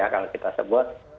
kalau kita sebut